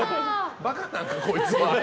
馬鹿なんか、こいつは。